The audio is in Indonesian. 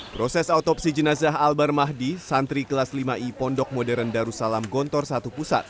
proses autopsi jenazah albar mahdi santri kelas lima i pondok modern darussalam gontor satu pusat